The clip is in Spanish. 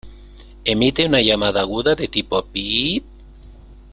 Emite una llamada aguda de tipo "pii-iit".